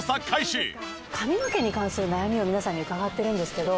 髪の毛に関する悩みを皆さんに伺ってるんですけど。